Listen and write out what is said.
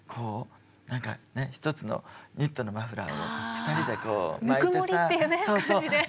１つのニットのマフラーを２人でこう巻いたりさ。